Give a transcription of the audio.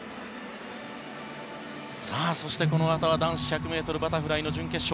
そして、このあとは男子１００ｍバタフライ準決勝。